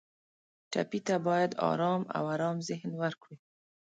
ټپي ته باید آرام او ارام ذهن ورکړو.